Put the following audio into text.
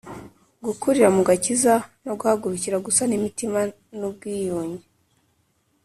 gukurira mu gakiza, no guhagurukira gusana imitima n’ubwiyunge.